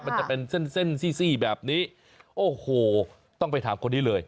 มันจะเป็นเส้นเส้นซี่แบบนี้โอ้โหต้องไปถามคนนี้เลย